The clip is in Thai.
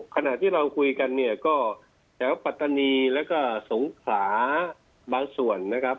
ขณะที่เราคุยกันเนี่ยก็แถวปัตตานีแล้วก็สงขลาบางส่วนนะครับ